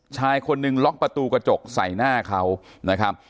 ชายคนหนึ่งล็อกประตูกระจกใส่หน้าเขานะครับ